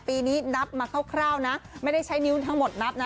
ปีนี้นับมาคร่าวนะไม่ได้ใช้นิ้วทั้งหมดนับนะ